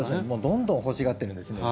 どんどん欲しがってるんですね。